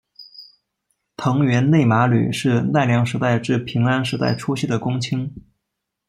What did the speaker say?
藤原内麻吕是奈良时代至平安时代初期的公卿。